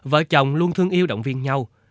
vợ chồng luôn thương yêu động viên nhau